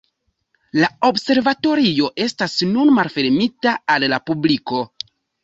La observatorio estas nun malfermita al la publiko.